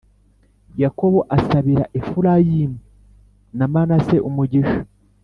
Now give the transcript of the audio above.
Yakobo asabira Efurayimu na Manase umugisha